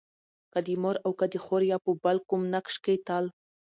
که د مور او که د خور يا په بل کوم نقش کې تل